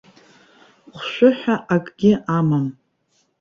Хәшәы ҳәа акгьы амам.